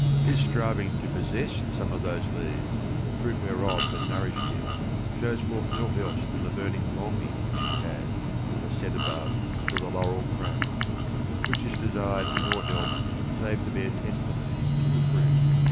His striving to possess some of those leaves, the fruit whereof had nourished him, shows forth naught else than the burning longing which he had (as said above) for the laurel crown ; which is desired for naught else save to bear testimony to the fruit.